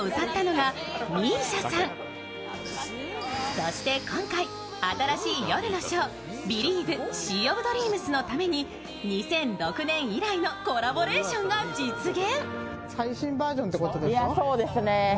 そして今回、新しい夜のショー、「ビリーヴ！シー・オブ・ドリームス」のために２００６年以来のコラボレーションが実現。